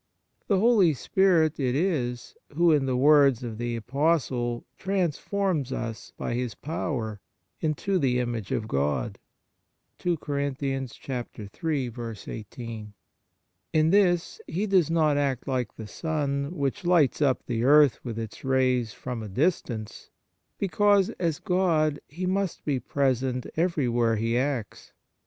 The Holy Spirit it is who, in the words of the Apostle, 1 transforms us by His power into the image of God. In this He does not act like the sun, which lights up the earth with its rays from a distance, because as God He must be present where ever He acts.